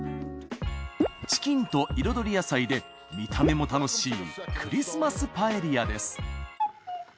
チキンと彩り野菜で見た目も楽しいクリスマスパエリアです